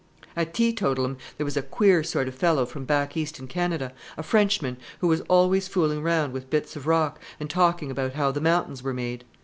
"At Teetotalim there was a queer sort of fellow from back east in Canada, a Frenchman, who was always fooling round with bits of rock, and talking about how the mountains were made.